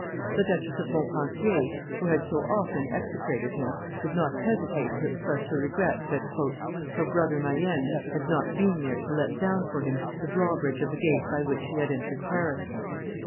The Duchess of Montpensier, who had so often execrated him, did not hesitate to express her regret that "her brother Mayenne had not been there to let down for him the drawbridge of the gate by which he had entered Paris."